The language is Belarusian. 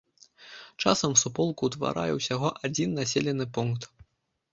Часам суполку ўтварае ўсяго адзін населены пункт.